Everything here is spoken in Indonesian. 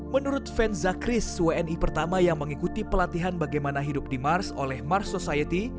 menurut ven zakris wni pertama yang mengikuti pelatihan bagaimana hidup di mars oleh mars society